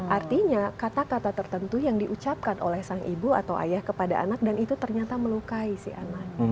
artinya kata kata tertentu yang diucapkan oleh sang ibu atau ayah kepada anak dan itu ternyata melukai si anak